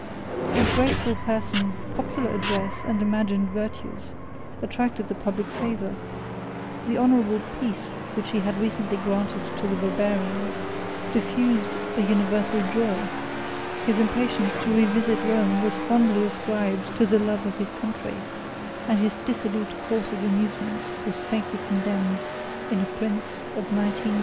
His graceful person, 11 popular address, and imagined virtues, attracted the public favor; the honorable peace which he had recently granted to the barbarians, diffused a universal joy; 12 his impatience to revisit Rome was fondly ascribed to the love of his country; and his dissolute course of amusements was faintly condemned in a prince of nineteen years of age.